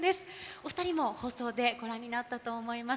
お２人も放送でご覧になったと思います。